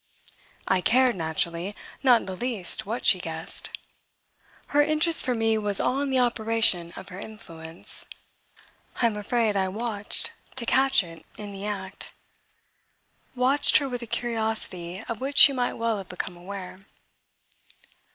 I cared, naturally, not in the least what she guessed; her interest for me was all in the operation of her influence. I am afraid I watched to catch it in the act watched her with a curiosity of which she might well have become aware.